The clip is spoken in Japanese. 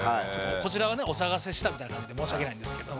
こちらがねお騒がせしたみたいな感じで申し訳ないんですけど。